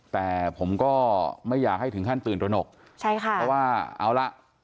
แต่ผมก็ไม่อยากให้ถึงขั้นตื่นตระหนกใช่ค่ะเพราะว่าเอาล่ะ